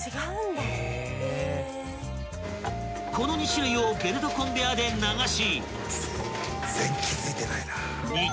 ［この２種類をベルトコンベヤーで流し］